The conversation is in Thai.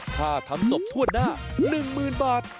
ค่าทำศพทั่วหน้า๑๐๐๐บาท